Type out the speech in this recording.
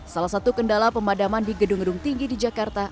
salah satu kendala pemadaman di gedung gedung tinggi di jakarta